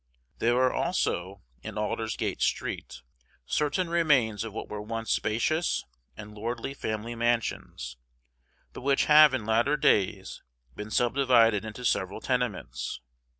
There are also, in Aldersgate Street, certain remains of what were once spacious and lordly family mansions, but which have in latter days been subdivided into several tenements.